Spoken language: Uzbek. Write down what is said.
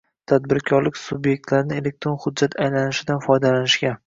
tadbirkorlik subyektlarini elektron hujjat aylanishidan foydalanishga